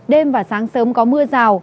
đêm và sáng sớm có mưa rào